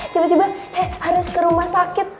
coba coba eh harus ke rumah sakit